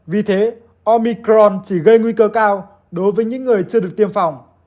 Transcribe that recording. vì thế omicron chỉ gây nguy cơ cao đối với những người chưa được tiêm phòng